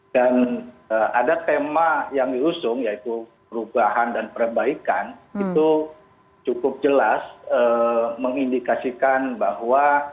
dan ada tema yang diusung yaitu perubahan dan perbaikan itu cukup jelas mengindikasikan bahwa